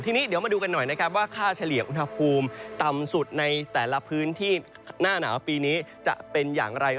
ทีนี้เดี๋ยวมาดูกันหน่อยนะครับว่าค่าเฉลี่ยอุณหภูมิต่ำสุดในแต่ละพื้นที่หน้าหนาวปีนี้จะเป็นอย่างไร